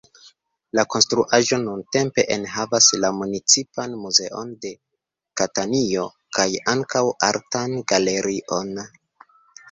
La konstruaĵo nuntempe enhavas la municipan muzeon de Katanio, kaj ankaŭ artan galerion.